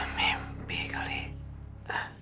penuh dalam rekaman